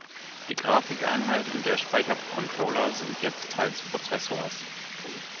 Die Grafikeinheit und der Speichercontroller sind jetzt Teil des Prozessors.